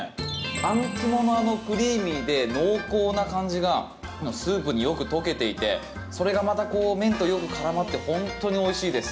あん肝のあのクリーミーで濃厚な感じがスープによく溶けていてそれがまた麺とよく絡まって本当においしいです。